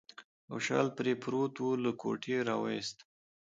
او شال پرې پروت و، له کوټې راوایسته.